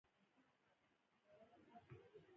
طلا د افغانانو لپاره په معنوي لحاظ ارزښت لري.